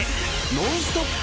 ノンストップ！